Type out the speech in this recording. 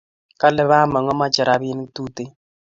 Kale bamoko mache rapinik tuten